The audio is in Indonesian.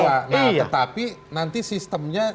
nah tetapi nanti sistemnya